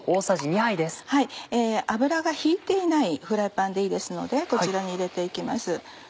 油が引いていないフライパンでいいですのでこちらに入れて行きます。